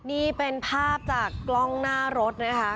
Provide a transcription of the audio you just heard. นี่เป็นภาพจากกล้องหน้ารถนะคะ